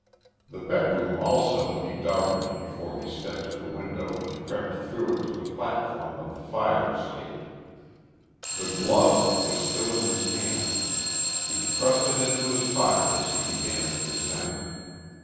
The bedroom also he darkened before he stepped to the window and crept through it to the platform of the fire escape. The glove was still in his hand. He thrust it into his pocket as he began the descent.